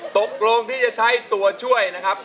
ตกลงที่จะใช้ตัวช่วยนะครับ